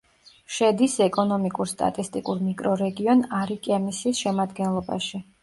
შედის ეკონომიკურ-სტატისტიკურ მიკრორეგიონ არიკემისის შემადგენლობაში.